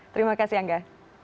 terima kasih angga